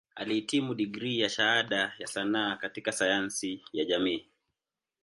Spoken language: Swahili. Alihitimu na digrii ya Shahada ya Sanaa katika Sayansi ya Jamii.